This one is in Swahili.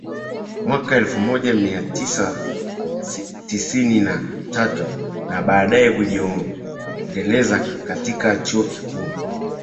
mwaka elfu moja mia tisa tisini na tatu na baadae kujiendeleza katika Chuo Kikuu